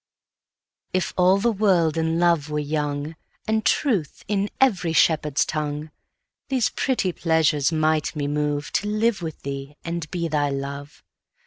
F all the world and love were young, And truth in every shepherd's tongue, These pretty pleasures might me move To live with thee and be thy love.